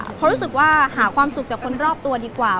เพราะรู้สึกว่าหาความสุขจากคนรอบตัวดีกว่า